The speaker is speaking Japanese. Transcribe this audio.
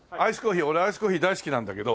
俺アイスコーヒー大好きなんだけど。